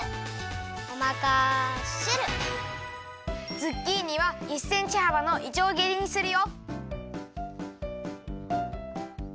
ズッキーニは１センチはばのいちょうぎりにするよ。